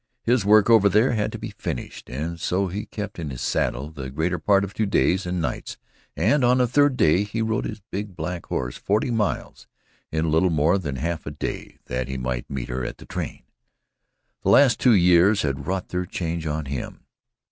His work over there had to be finished and so he kept in his saddle the greater part of two days and nights and on the third day rode his big black horse forty miles in little more than half a day that he might meet her at the train. The last two years had wrought their change in him.